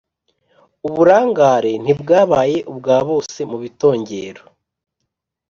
uburangare ntibwabaye ubwa bose. mu bitongero